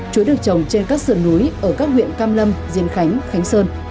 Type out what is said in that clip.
chuối được trồng trên các sườn núi ở các huyện cam lâm diên khánh khánh sơn